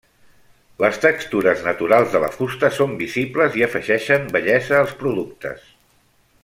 Les textures naturals de la fusta són visibles i afegeixen bellesa als productes.